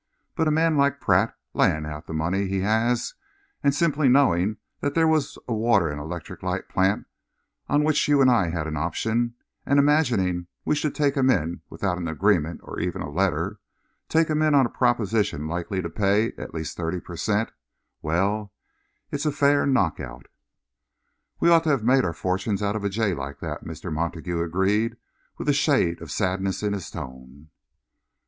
But a man like Pratt, laying out the money he has, and simply knowing that there was a water and electric light plant on which you and I had an option, and imagining we should take him in without an agreement or even a letter take him in on a proposition likely to pay at least thirty per cent well, it's a fair knockout!" "We ought to have made our fortunes out of a jay like that," Mr. Montague agreed, with a shade of sadness in his tone.